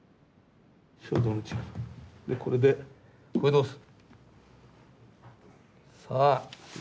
でこれでこれで押す！